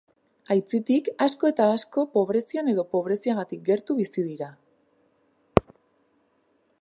Aitzitik, asko eta asko pobrezian edo pobreziatik gertu bizi dira.